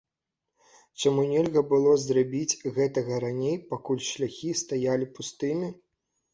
Чаму нельга было зрабіць гэтага раней, пакуль шляхі стаялі пустымі?